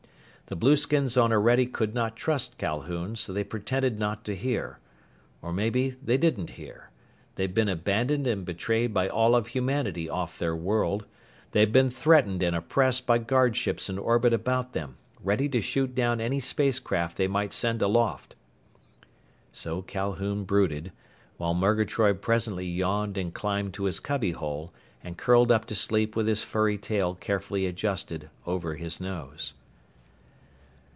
The blueskins on Orede could not trust Calhoun, so they pretended not to hear. Or maybe that didn't hear. They'd been abandoned and betrayed by all of humanity off their world. They'd been threatened and oppressed by guardships in orbit about them, ready to shoot down any spacecraft they might send aloft.... So Calhoun brooded, while Murgatroyd presently yawned and climbed to his cubbyhole and curled up to sleep with his furry tail carefully adjusted over his nose.